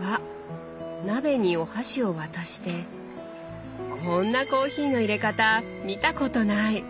わ鍋にお箸を渡してこんなコーヒーのいれ方見たことない！